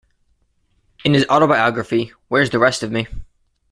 In his autobiography, Where's the Rest of Me?